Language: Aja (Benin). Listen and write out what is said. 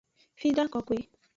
Fida kokoe.